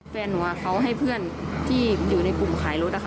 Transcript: แฟนหนูเขาให้เพื่อนที่อยู่ในกลุ่มขายรถอะค่ะ